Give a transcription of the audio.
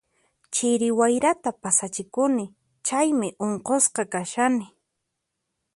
Chiri wayrata pasachikuni, chaymi unqusqa kashani.